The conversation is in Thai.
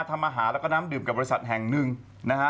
ทำอาหารแล้วก็น้ำดื่มกับบริษัทแห่งหนึ่งนะฮะ